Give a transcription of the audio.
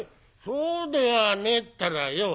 「そうではねえったらよ。